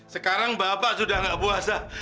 sekarang bapak sudah tidak puasa